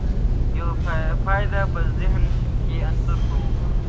یوه پایله په ذهن کې انځور کوو.